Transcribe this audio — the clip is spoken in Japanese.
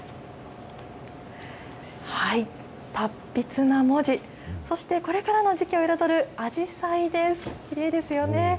達筆な文字、そしてこれからの時期を彩るあじさいです、きれいですよね。